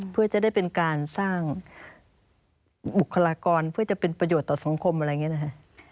เพื่อจะได้เป็นการสร้างบุคลากรเพื่อจะเป็นประโยชน์ต่อสังคมอะไรอย่างนี้นะคะ